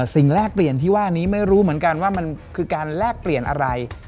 แลกเปลี่ยนที่ว่านี้ไม่รู้เหมือนกันว่ามันคือการแลกเปลี่ยนอะไร